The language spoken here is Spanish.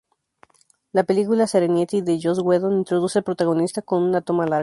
La película "Serenity" de Joss Whedon introduce al protagonista con una toma larga.